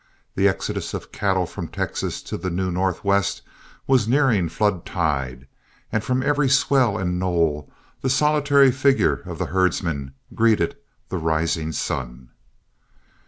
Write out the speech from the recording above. The exodus of cattle from Texas to the new Northwest was nearing flood tide, and from every swell and knoll the solitary figure of the herdsman greeted the rising sun.